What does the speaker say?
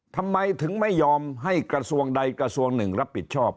ทำไมถึงไม่ยอมให้กระทรวงใดกระทรวงหนึ่งรับผิดชอบ